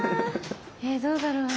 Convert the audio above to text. えどうだろう。